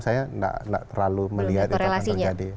saya tidak terlalu melihat itu akan terjadi